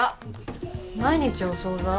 毎日お総菜？